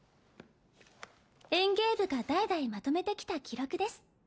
園芸部が代々まとめてきた記録です